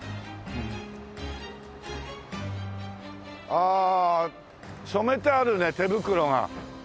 ああ染めてあるね手袋が。